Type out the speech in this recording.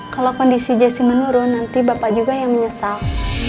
kalau kondisi jessi menurun nanti bapak juga yang menyesal